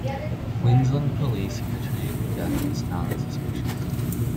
Queensland Police are treating the death as non-suspicious.